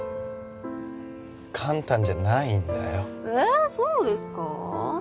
簡単じゃないんだよええそうですか？